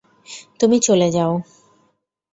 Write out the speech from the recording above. তুমি চলে যাও!